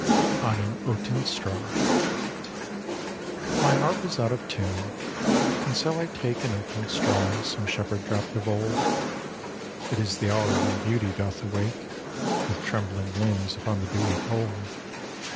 ON AN OATEN STRAW My harp is out of tune, and so I take An oaten straw some shepherd dropped of old. It is the hour when Beauty doth awake With trembhng limbs upon the dewy cold.